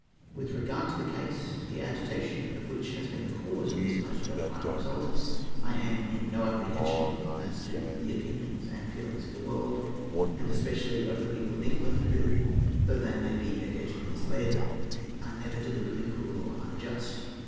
With regard to the case, the agitation of which has been the cause of this most gratifying result, I am in no apprehension as to the opinions and feelings of the world, and especially of the people of England, who, though they may be occasionally misled, are never deliberately cruel or unjust.